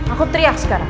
aku teriak sekarang